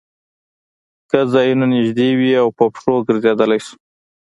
که ځایونه نږدې وي او په پښو ګرځېدای شو.